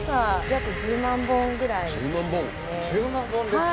１０万本ですか？